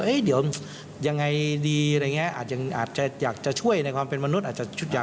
เฮ้ยเดี๋ยวยังไงดีอะไรอย่างนี้อาจจะอยากจะช่วยในความเป็นมนุษย์